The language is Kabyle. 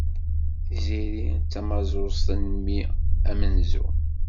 Tiziri d tamaẓuẓt n mmi amenzu.